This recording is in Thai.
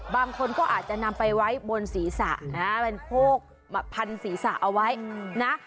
บางคนก็อาจจะนำไปไว้บนศีรษะนะเป็นโพกมาพันศีรษะเอาไว้นะ